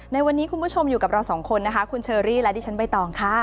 ในวันนี้คุณผู้ชมอยู่กับเราสองคนนะคะคุณเชอรี่และดิฉันใบตองค่ะ